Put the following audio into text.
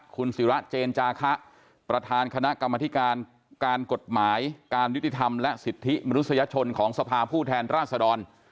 คุณศิระเจนจาคะประธานคณะกรรมธิการการกฎหมายการยุติธรรมและสิทธิมนุษยชนของสภาผู้แทนราชดร